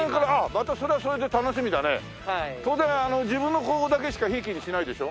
当然自分の子だけしか贔屓にしないでしょ？